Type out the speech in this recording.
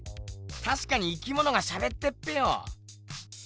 たしかに生きものがしゃべってっぺよ。